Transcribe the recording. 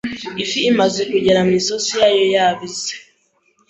Ifi imaze kugera mu isosi yayo yabize